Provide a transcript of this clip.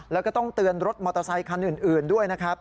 แล้วก็ต้องเตือนรถมอเตอร์ไซค์คันอื่น